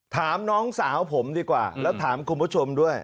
ถามน้องสาวผมดีกว่าแล้วถามคุณผู้ชมด้วย